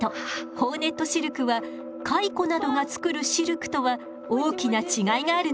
ホーネットシルクは蚕などが作るシルクとは大きな違いがあるのよ。